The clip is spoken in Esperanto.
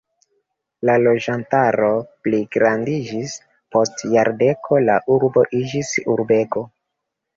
La loĝantaro pligrandiĝis, post jardeko la urbo iĝis urbego.